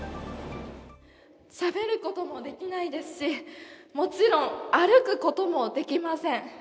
しゃべることもできないですしもちろん歩くこともできません。